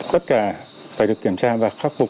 tất cả phải được kiểm tra và khắc phục